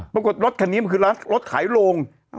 ปรากฏรถคันนี้มันคือรถขายโลง